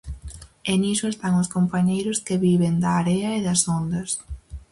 E niso están os compañeiros que viven da area e das ondas.